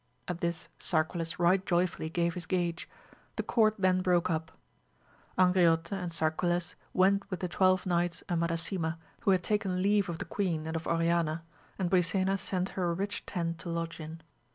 at this Sarquiles right joyfully gave his gage ; the court then broke up; Angriote and Sarquiles went with the twelve knights and Madasima, who had taken leave of the queen and of Oriana, and Brisena sent^ her a rich tent to lodge in.